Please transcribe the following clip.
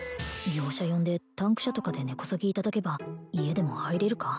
業者呼んでタンク車とかで根こそぎいただけば家でも入れるか？